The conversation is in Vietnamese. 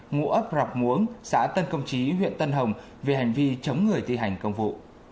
ngũ ấp rạc muống xã tân công trí huyện tân hồng về hành vi chống người thi hành công vụ